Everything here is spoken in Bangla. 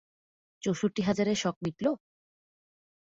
চৌষট্টি হাজারের শখ মিটল?